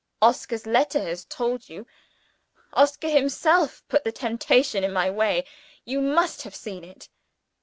"Oscar's letter has told you: Oscar himself put the temptation in my way. You must have seen it."